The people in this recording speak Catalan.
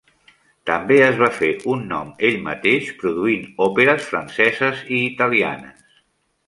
També es va fer un nom ell mateix produint òperes franceses i italianes.